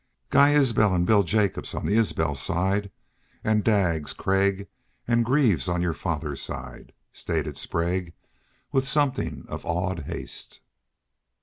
"Guy Isbel an' Bill Jacobs on the Isbel side, an' Daggs, Craig, an' Greaves on your father's side," stated Sprague, with something of awed haste.